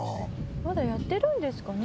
まだやってるんですかね？